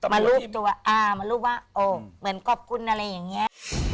มารูปตัวอ่ามารูปว่าโอ้เหมือนขอบคุณอะไรอย่างนี้